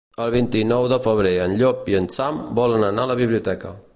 El vint-i-nou de febrer en Llop i en Sam volen anar a la biblioteca.